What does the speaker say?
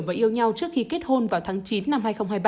và yêu nhau trước khi kết hôn vào tháng chín năm hai nghìn hai mươi ba